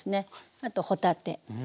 あと帆立て。